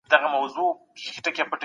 هیڅ ملګری ورسره نسته.